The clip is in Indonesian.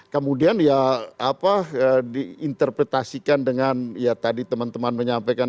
kemudian ya apa diinterpretasikan dengan ya tadi teman teman menyampaikan